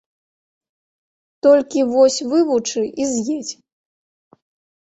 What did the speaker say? Толькі, вось, вывучы і з'едзь.